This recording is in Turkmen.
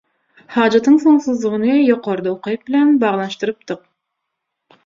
Hajatyň soňsuzlygyny ýokarda ukyp bilen baglanyşdyrypdyk.